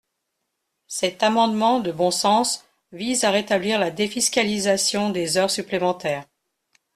Cet amendement de bon sens vise à rétablir la défiscalisation des heures supplémentaires.